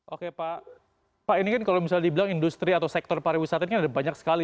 oke pak ini kan kalau misalnya dibilang industri atau sektor pariwisata ini kan ada banyak sekali